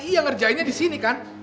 iya ngerjainnya disini kan